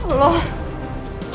saya udah kena gini aja